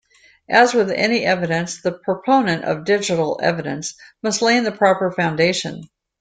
As with any evidence, the proponent of digital evidence must lay the proper foundation.